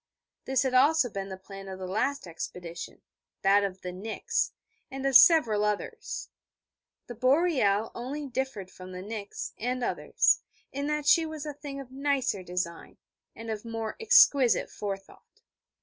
This had also been the plan of the last expedition that of the Nix and of several others. The Boreal only differed from the Nix, and others, in that she was a thing of nicer design, and of more exquisite forethought.